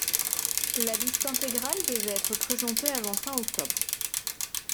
La liste intégrale devait être présentée avant fin octobre.